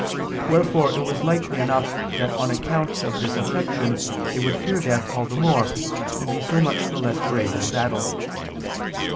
Wherefore it was likely enough that on account of this affection they would fear death all the more, and be so much the less brave in battle.